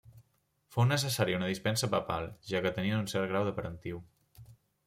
Fou necessària una dispensa papal, ja que tenien un cert grau de parentiu.